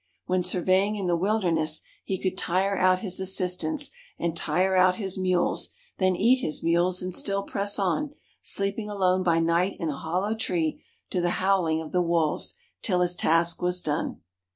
When surveying in the Wilderness, he could tire out his assistants, and tire out his mules; then eat his mules, and still press on, sleeping alone by night in a hollow tree to the howling of the wolves, till his task was done.